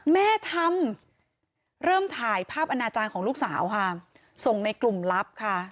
แม่ทำเริ่มถ่ายภาพอนาจารย์ของลูกสาวค่ะส่งในกลุ่มลับค่ะ